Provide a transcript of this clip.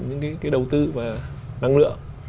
những cái đầu tư và năng lượng